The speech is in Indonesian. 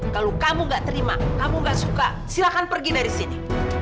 kalau kamu gak terima kamu nggak suka silahkan pergi dari sini